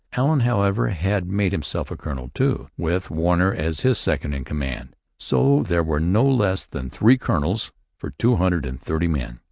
Allen, however, had made himself a colonel too, with Warner as his second in command. So there were no less than three colonels for two hundred and thirty men.